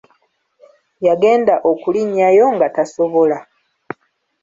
Yagenda okulinnyayo, nga tasobola.